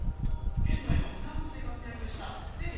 現代のフランスで活躍したセール。